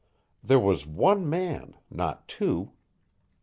There was one man, not two.